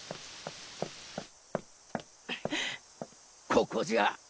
ここじゃ。